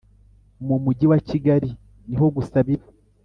Mu Mujyi wa Kigali niho gusa biba